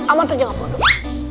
amat aja gak bodoh